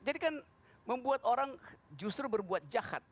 jadi kan membuat orang justru berbuat jahat